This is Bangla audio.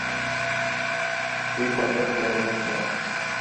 সে কতো ভালো বাচ্চা।